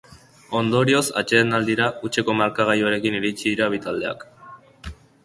Ondorioz, atsedenaldira hutseko markagailuarekin iritsi dira bi taldeak.